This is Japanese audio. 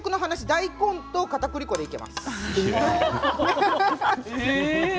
大根とかたくり粉でいけます。